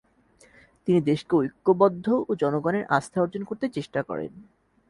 তিনি দেশকে ঐক্যবদ্ধ ও জনগণের আস্থা অর্জন করতে চেষ্টা করেন।